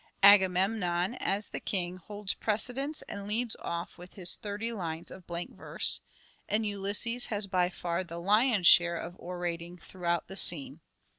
Agamemnon, as the king, holds precedence and leads off with his thirty lines of blank verse, and Ulysses has by far the lion share of orating throughout the scene.